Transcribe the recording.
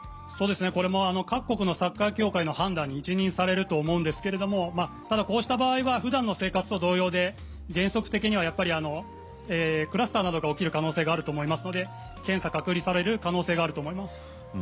これも各国のサッカー協会の判断に一任されると思うんですけれどもただ、こうした場合は普段の生活と同様で原則的にはクラスターなどが起きる可能性があると思いますので検査・隔離される可能性があると思います。